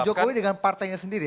jokowi dengan partainya sendiri